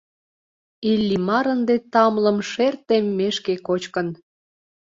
Иллимар ынде тамлым шер теммешке кочкын.